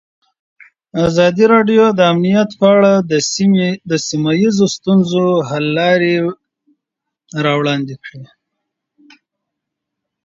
ازادي راډیو د امنیت په اړه د سیمه ییزو ستونزو حل لارې راوړاندې کړې.